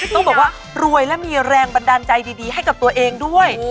ต้องบอกว่ารวยและมีแรงบันดาลใจดีให้กับตัวเองด้วย